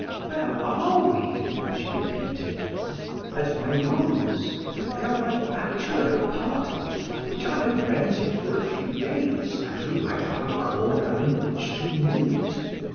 "Where are we?" she repeated. "At my rooms; they are my bachelor apartments which I have rented for a few days that we might have a corner in which to meet."